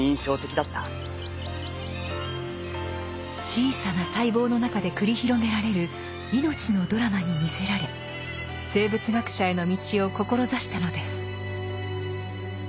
小さな細胞の中で繰り広げられる命のドラマに魅せられ生物学者への道を志したのです。